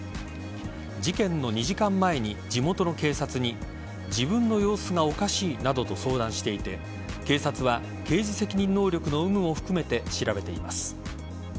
事件の２時間前に地元の警察に自分の様子がおかしいなどと相談していて警察は刑事責任能力の有無を含めて調べています。